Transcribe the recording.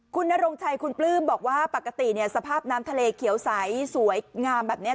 คุณนรงชัยคุณปลื้มบอกว่าปกติเนี่ยสภาพน้ำทะเลเขียวใสสวยงามแบบนี้